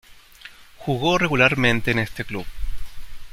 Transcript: Jugo regularmente en este club.